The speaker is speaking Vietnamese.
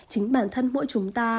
chính bản thân mỗi chúng ta